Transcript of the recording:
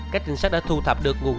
cái trình sát mới xác định được